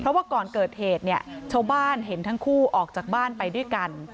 เพราะว่าก่อนเกิดเหตุเนี่ยชาวบ้านเห็นทั้งคู่ออกจากบ้านไปด้วยกัน